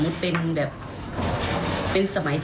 ครูก็เรียกไปที่ห้องพัก